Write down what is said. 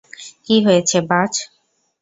কী হয়েছে, বায?